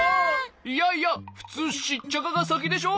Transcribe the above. いやいやふつうシッチャカがさきでしょ？